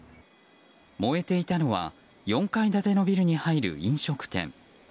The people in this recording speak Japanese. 燃えていたのは４階建てのビルに入る飲食店。